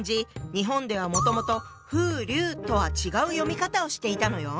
日本ではもともと「ふうりゅう」とは違う読み方をしていたのよ。